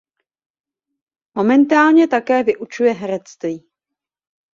Momentálně také vyučuje herectví.